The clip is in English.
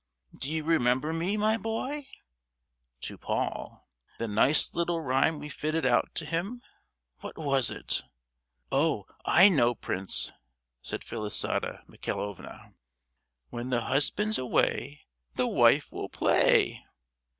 Do you remember, my boy," (to Paul) "the nice little rhyme we fitted out to him? What was it?" "Oh, I know, prince," said Felisata Michaelovna— " 'When the husband's away The wife will play!"